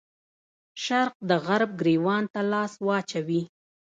شرق د غرب ګرېوان ته لاس واچوي.